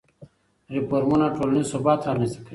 ریفورمونه ټولنیز ثبات رامنځته کوي.